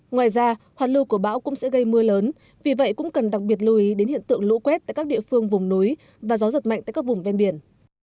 ngoài ra hoạt lưu của bão cũng sẽ gây mưa lớn vì vậy cũng cần đặc biệt lưu ý đến hiện tượng lũ quét tại các địa phương vùng núi và gió giật mạnh tại các vùng ven biển